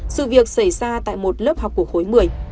sự việc xảy ra tại một lớp học của khối một mươi